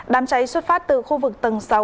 đám cháy xuất phát từ khu vực tầng sáu